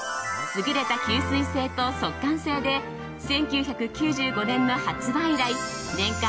優れた吸水性と速乾性で１９９５年の発売以来年間